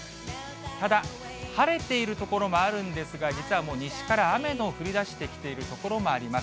ただ、晴れている所があるんですが、実はもう西から雨の降りだしてきている所もあります。